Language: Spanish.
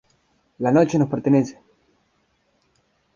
La noche nos pertenece".